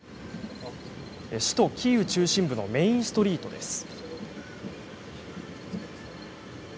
首都キーウ中心部のメインストリートです。